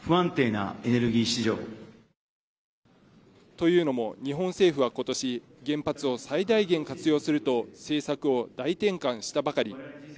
というのも日本政府は今年、原発を最大限活用すると政策を大転換したばかり。